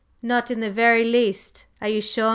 "Not in the very least? Are you sure?